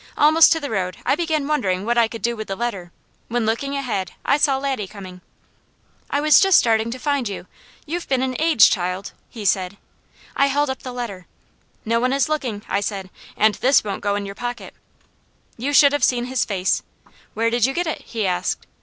Almost to the road I began wondering what I could do with the letter, when looking ahead I saw Laddie coming. "I was just starting to find you. You've been an age, child," he said. I held up the letter. "No one is looking," I said, "and this won't go in your pocket." You should have seen his face. "Where did you get it?" he asked.